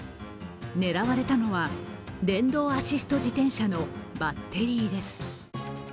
狙われたのは電動アシスト自転車のバッテリーです。